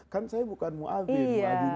kan saya bukan mu'adhin